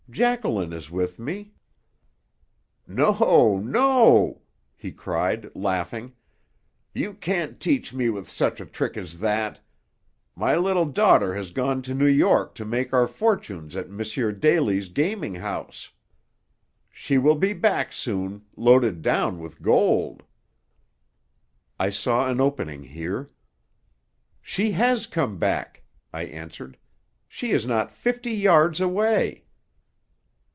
Jacqueline is with me " "No, no," he cried, laughing. "You can't catch me with such a trick as that. My little daughter has gone to New York to make our fortunes at M. Daly's gaming house. She will be back soon, loaded down with gold." I saw an opening here. "She has come back," I answered. "She is not fifty yards away."